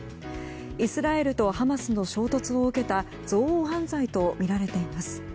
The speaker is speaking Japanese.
イスラエルとハマスの衝突を受けた憎悪犯罪とみられています。